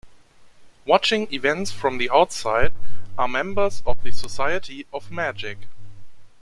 Watching events from the outside are members of the Society of Magic.